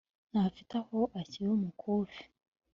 ntafite aho ashyira umukufi,